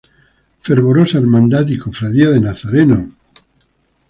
Fervorosa Hermandad y Cofradía de Nazarenos del Stmo.